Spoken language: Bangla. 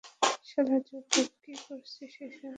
শালা জোকার, কি করছিস এসব?